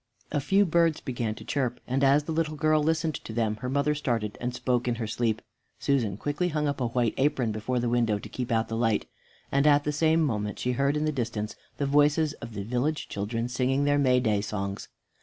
A few birds began to chirp, and as the little girl listened to them, her mother started and spoke in her sleep. Susan quickly hung up a white apron before the window to keep out the light, and at the same moment she heard in the distance the voices of the village children singing their Mayday songs.